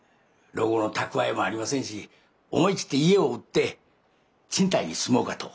老後の蓄えもありませんし思い切って家を売って賃貸に住もうかと。